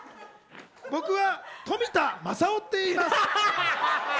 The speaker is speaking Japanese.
僕は富田昌男っていいます！